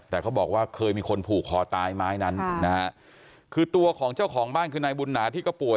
แต่เขาบอกว่าเคยมีคนผูกคอตายไม้นั้นนะฮะคือตัวของเจ้าของบ้านคือนายบุญหนาที่ก็ป่วย